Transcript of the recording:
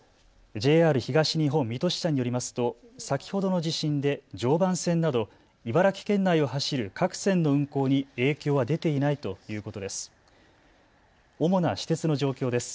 ＪＲ東日本水戸支社によりますと先ほどの地震で常磐線など茨城県内を走る各線の運行に影響は出ていないということです。